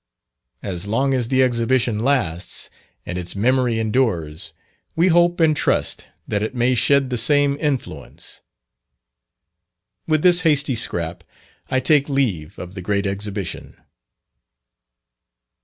As long as the Exhibition lasts, and its memory endures, we hope and trust that it may shed the same influence. With this hasty scrap, I take leave of the Great Exhibition.